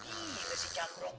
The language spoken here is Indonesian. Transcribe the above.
ini si jangbrong